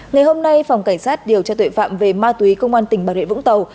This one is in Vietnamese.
ngày hôm nay phòng cảnh sát điều tra tuệ phạm về ma túy công an tỉnh bà rịa vũng tàu